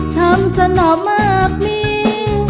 ทำจะหนอบมากมี